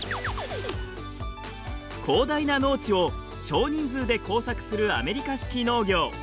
広大な農地を少人数で耕作するアメリカ式農業。